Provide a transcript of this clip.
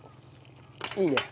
いいね。